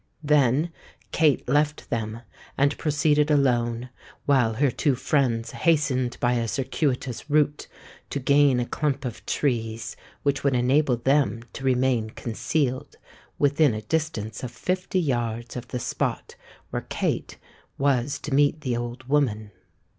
Then Kate left them and proceeded alone, while her two friends hastened by a circuitous route to gain a clump of trees which would enable them to remain concealed within a distance of fifty yards of the spot where Kate was to meet the old woman.